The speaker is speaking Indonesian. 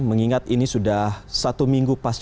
mengingat ini sudah satu minggu